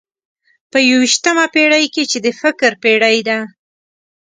په یوویشتمه پېړۍ کې چې د فکر پېړۍ ده.